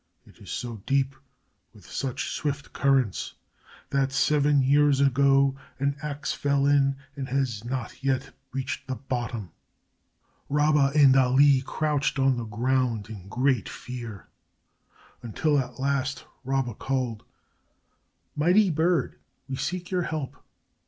It is so deep, with such swift currents, that seven years ago an axe fell in and has not yet reached the bottom." Rabba and Ali crouched on the ground in great fear, until at last Rabba called: "Mighty bird, we seek your help.